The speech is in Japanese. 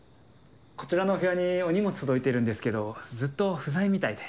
こちらのお部屋にお荷物届いてるんですけどずっと不在みたいで。